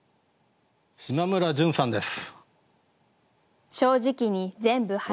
嶋村純さんです。